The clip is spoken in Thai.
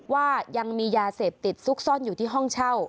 ว่ายังมียาเสพติดซุกซ่อนอยู่ที่ห้องเช่า